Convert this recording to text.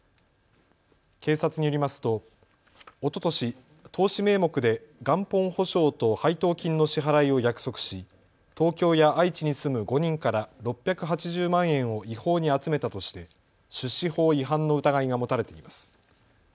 警察によりますとおととし、投資名目で元本保証と配当金の支払いを約束し東京や愛知に住む５人から６８０万円を違法に集めたとして出資法違反の疑いが持たれています。